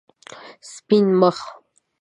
سپین مخ